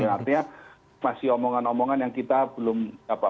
artinya masih omongan omongan yang kita belum dapat